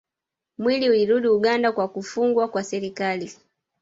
Mwili ulirudi Uganda kwa kufungwa kwa serikali